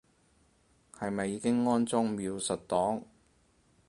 係咪已經安裝描述檔